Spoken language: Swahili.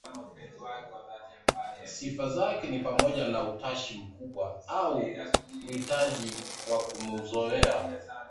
Sifa zake ni pamoja na i utashi mkubwa au uhitaji wa kimazoea wa